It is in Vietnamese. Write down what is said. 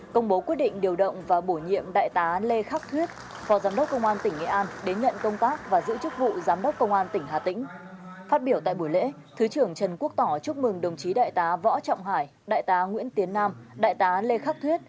công bố quyết định điều động và bổ nhiệm đại tá lê khắc thuyết phó giám đốc công an tỉnh nghệ an đến nhận công tác và giữ chức vụ giám đốc công an tỉnh hà tĩnh